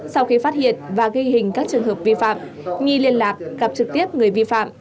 sau khi phát hiện và ghi hình các trường hợp vi phạm nghi liên lạc gặp trực tiếp người vi phạm